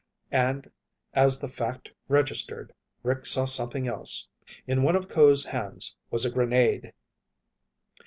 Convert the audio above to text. And as the fact registered, Rick saw something else. In one of Ko's hands was a grenade!